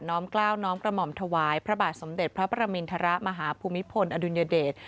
้อมกล้าวน้อมกระหม่อมถวายพระบาทสมเด็จพระประมินทรมาฮภูมิพลอดุลยเดช